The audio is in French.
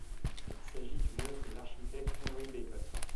Il s'agit d'une œuvre de l'architecte Henry Bacon.